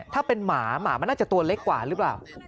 ถ้าเป็นหมาหมามันน่าจะตัวเล็กกว่าหรือเปล่า